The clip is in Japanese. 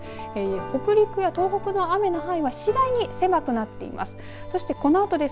北陸や東北の雨の範囲は次第に狭くなっています。